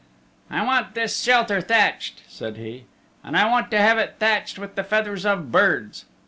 "I want this shelter thatched," said he, "and I want to have it thatched with the feathers of birds.